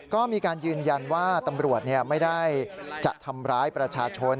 ก็มีการยืนยันว่าตำรวจไม่ได้จะทำร้ายประชาชน